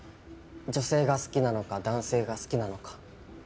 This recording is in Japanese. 女性が好きなのか男性が好きなのか。